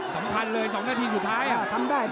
สำคัญเลย๒นาทีจุดท้าย